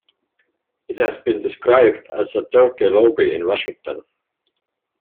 It has been described as "a 'Turkey lobby' in Washington".